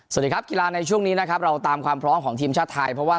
สวัสดีครับกีฬาในช่วงนี้นะครับเราตามความพร้อมของทีมชาติไทยเพราะว่า